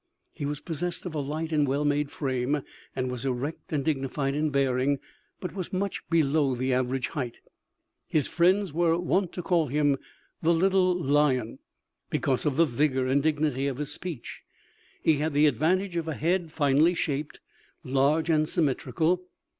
He was possessed of a light and well made frame, and was erect and dignified in bearing, but was much below the average height. His friends were wont to call him "the little lion," because of the vigor and dignity of his speech. He had the advantage of a head finely shaped, large and symmetrical.